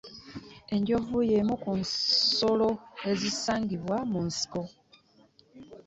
Enjovu y'emu ku nsolo enzisangibwa mu nsiko.